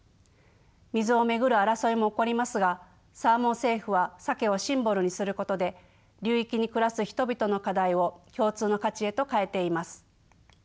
水を巡る争いも起こりますがサーモン・セーフはサケをシンボルにすることで流域に暮らす人々の課題を共通の価値へと変えています。